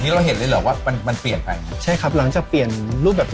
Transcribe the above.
ให้เป็นเหมือนว่าคนรุ่นใหม่พาครอบครัวมาทานถึง